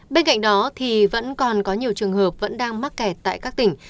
bên cạnh đó thì vẫn còn có nhiều trường hợp vẫn đang mắc kẹt tại các tỉnh